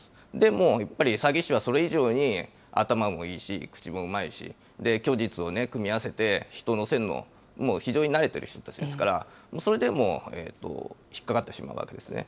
もうやっぱり詐欺師はそれ以上に頭もいいし、口もうまいし、虚実を組み合わせて人を乗せるの、非常に慣れてる人達ですから、それでもう、引っ掛かってしまうわけですね。